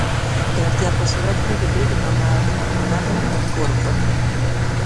او د اړتیا په صورت کې د دې دوکه مار هنر څخه کار اخلي